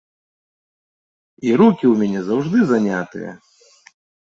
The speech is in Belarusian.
І рукі ў мяне заўжды занятыя!